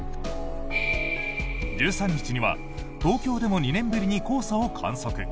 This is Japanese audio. １３日には東京でも２年ぶりに黄砂を観測。